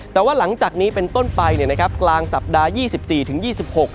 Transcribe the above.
แต่ว่าหลังจากนี้เป็นต้นไปเนี่ยนะครับกลางสัปดาห์๒๔๒๖